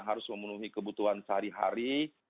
harus memenuhi kebutuhan sehari hari